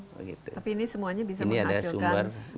tapi ini semuanya bisa menghasilkan minyak ya